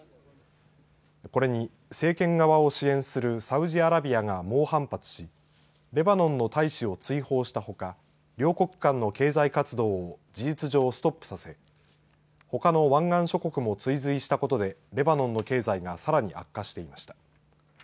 これに政権側を支援するサウジアラビアが猛反発しレバノンの大使を追放したほか両国間の経済活動を事実上ストップさせほかの湾岸諸国も追随したことでレバノンの経済がさらに悪化していました。